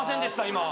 今。